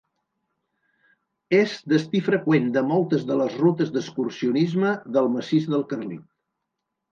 És destí freqüent de moltes de les rutes d'excursionisme del Massís del Carlit.